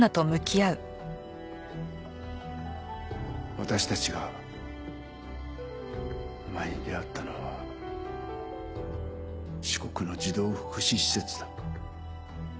私たちがお前に出会ったのは四国の児童福祉施設だ。